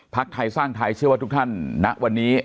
ไทยสร้างไทยเชื่อว่าทุกท่านณวันนี้